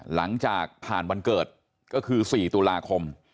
หลังจากผ่านวันเกิดก็คือ๔ตุลาคม